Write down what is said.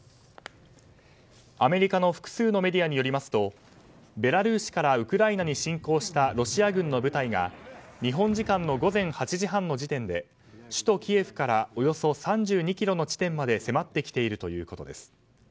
アメリカの複数のメディアによりますとベラルーシからウクライナに侵攻したロシア軍の部隊が日本時間の午前８時半の時点で首都キエフからおよそ３２ｋｍの地点まで迫ってきているということです。